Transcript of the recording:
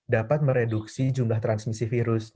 dapat mereduksi jumlah transmisi virus